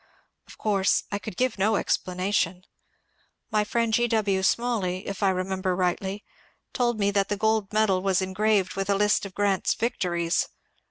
Of course I could give no explanation. My friend G. W. Smalley, if I remember rightly, told me that the gold medal was engraved with a list of Grant's victories.